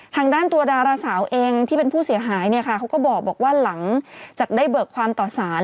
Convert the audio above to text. ทางด้านตัวดาราสาวเองที่เป็นผู้เสียหายเนี่ยค่ะเขาก็บอกว่าหลังจากได้เบิกความต่อสาร